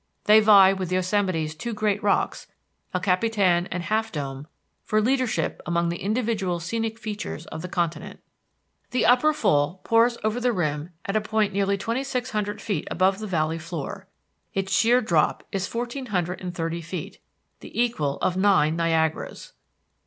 They vie with Yosemite's two great rocks, El Capitan and Half Dome, for leadership among the individual scenic features of the continent. The Upper Fall pours over the rim at a point nearly twenty six hundred feet above the valley floor. Its sheer drop is fourteen hundred and thirty feet, the equal of nine Niagaras.